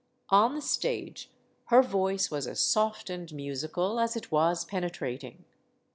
On the stage her voice was as soft and musical as it was penetrating.